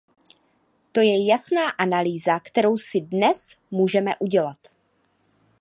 To je jasná analýza, kterou si dnes můžeme udělat.